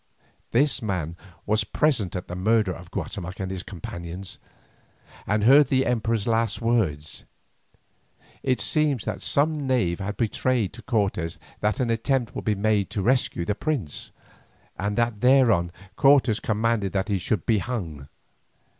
This man was present at the murder of Guatemoc and his companions, and heard the Emperor's last words. It seems that some knave had betrayed to Cortes that an attempt would be made to rescue the prince, and that thereon Cortes commanded that he should be hung.